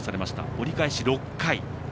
折り返し６回。